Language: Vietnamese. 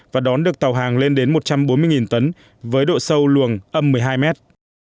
và đón được tàu hàng lên đến một trăm bốn mươi tấn với độ sâu luồng âm một mươi hai mét